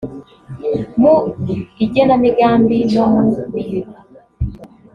mu igenamigambi no mu mihigo